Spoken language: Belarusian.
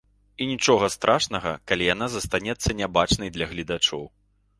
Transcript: І нічога страшнага, калі яна застанецца нябачнай для гледачоў.